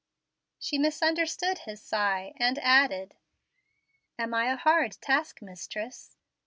She misunderstood his sigh, and added, "Am I a hard task mistress?"